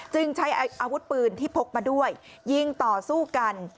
ใช้อาวุธปืนที่พกมาด้วยยิงต่อสู้กัน